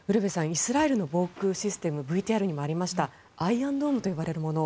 イスラエルの防空システムＶＴＲにもありましたアイアンドームと呼ばれるもの。